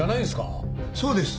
そうです。